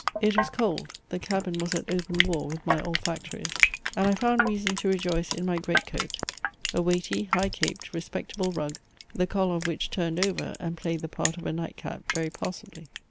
It was cold, the cabin was at open war with my olfactories, and I found reason to rejoice in my great coat, a weighty high caped, respectable rug, the collar of which turned over, and played the part of a night cap very passably.